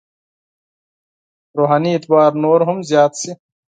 روحاني اعتبار نور هم زیات شي.